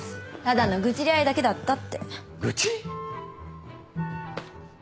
ただの愚痴り合いだけだったって。